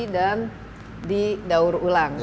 dan didaur ulang